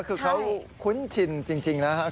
คือเขาคุ้นชินจริงนะครับ